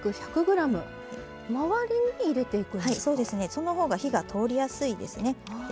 その方が火が通りやすいですね。